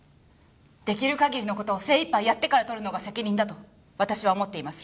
出来る限りの事を精いっぱいやってから取るのが責任だと私は思っています。